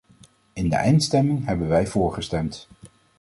In de eindstemming hebben wij voor gestemd.